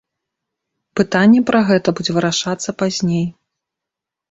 Пытанне пра гэта будзе вырашацца пазней.